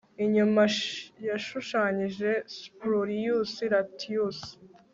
Inyuma yashushanyije Spurius Lartius